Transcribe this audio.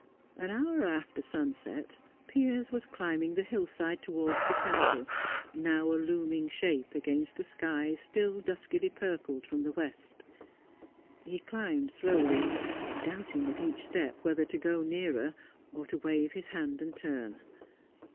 An hour after sunset, Piers was climbing the hillside towards the Castle, now a looming shape against a sky still duskily purpled from the west. He climbed slowly, doubting at each step whether to go nearer, or to wave his hand and turn.